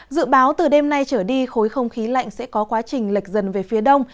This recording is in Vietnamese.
dự báo từ đêm nay trở đi khối không khí lạnh sẽ có quá trình lệch dần về phía đông